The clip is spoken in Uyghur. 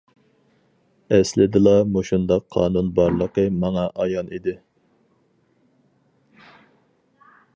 ئەسلىدىلا مۇشۇنداق قانۇن بارلىقى ماڭا ئايان ئىدى.